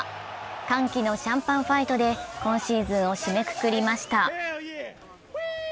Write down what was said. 歓喜のシャンパンファイトで今シーズンを締めくくりました。